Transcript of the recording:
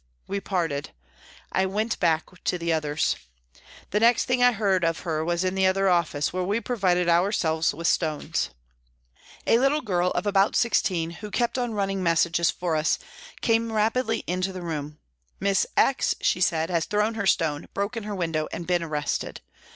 We parted. I went back to the others. The next thing I heard of her was in the other office, where we provided ourselves with stones. A little girl of about sixteen, who kept on running messages for us, came rapidly into the room. " Miss X.," she said, " has thrown her stone, broken her window, and been arrested."